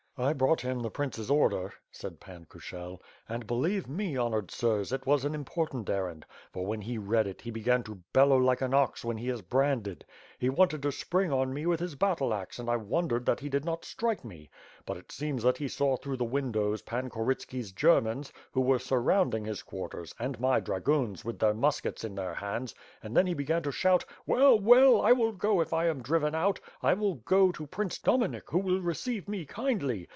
"I brought him the prince's order," said Pan Kushel, "and, WITH FIRE AND SWORD, 463 believe me, honored sirs, it was an important errand; for, when he read it, he began to below like an ox when he is branded. He wanted to spring on me with his battle axe and I wondered that he did not strike me. But it seems that he saw through the windows Pan Korytski's Germans, who were surrounding his quarters, and my dragoons, with their musk ets in their hands, and then he began to shout: "Well, well; I will go if I am driven out. I will go to Prince Dominik who will receive me kindly.